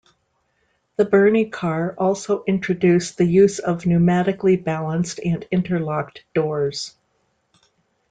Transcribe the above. The Birney Car also introduced the use of pneumatically balanced and interlocked doors.